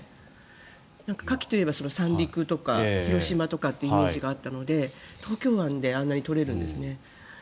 カキといえば三陸とか広島とかってイメージがあったので東京湾であんなに取れるんですね。